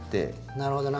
なるほどな。